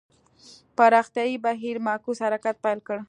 پراختیايي بهیر معکوس حرکت پیل کړ.